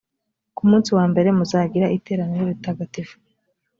ku munsi wa mbere, muzagira iteraniro ritagatifu.